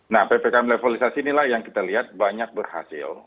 nah ppkm levelisasi inilah yang kita lihat banyak berhasil